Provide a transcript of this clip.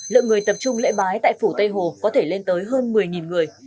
lượng người tập trung lễ bái tại phủ tây hồ có thể lên tới hơn một mươi người